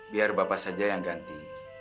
biar bapak saja yang ganti